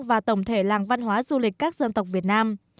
và tổng thể làng văn hóa du lịch các dân tộc việt nam